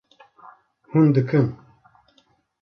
Hûn dikin